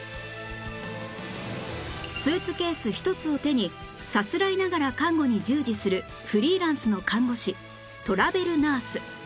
スーツケースひとつを手にさすらいながら看護に従事するフリーランスの看護師トラベルナース